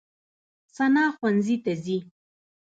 ثنا ښوونځي ته ځي.